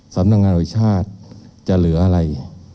สำนักงานอุชาติจะเหลืออะไร